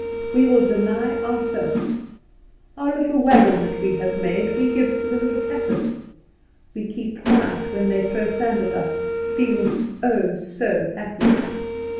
We will deny ourself. Our little wagon that we have made, we give to the little Kaffers. We keep quiet when they throw sand at us (feeling, oh, so happy).